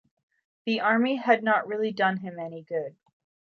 The army had not really done him any good.